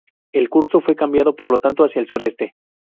El curso fue cambiado por lo tanto hacia el sureste.